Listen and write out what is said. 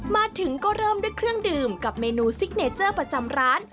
มาถึงก็เริ่มด้วยเครื่องดื่มกับเมนูซิกเนเจอร์ประจำร้าน